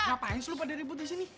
ngapain sih lo pada ribut disini